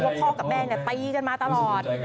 ว่าพ่อคบแม่ตีกันมาตลอด